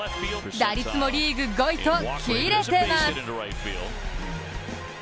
打率もリーグ５位とキレてます。